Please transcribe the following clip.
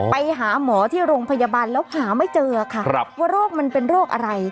ไปหาหมอที่โรงพยาบาลแล้วหาไม่เจอค่ะว่าโรคมันเป็นโรคอะไร